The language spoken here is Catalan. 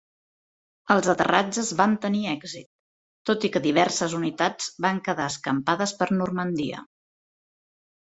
Els aterratges van tenir èxit, tot i que diverses unitats van quedar escampades per Normandia.